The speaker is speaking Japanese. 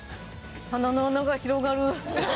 鼻の穴が広がる。